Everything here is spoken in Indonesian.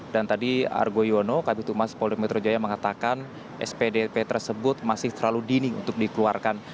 dan tadi argo yono kami tumas polda metro jaya mengatakan spdp tersebut masih terlalu dini untuk dikeluarkan